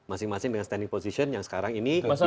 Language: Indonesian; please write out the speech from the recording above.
masing masing dengan standing position yang sekarang ini